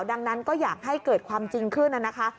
ดังนั้นก็อยากให้เกิดความจริงขึ้นนะคะ